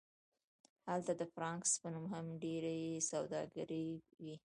هلته د فرانکس په نوم هم ډیرې سوداګرۍ وې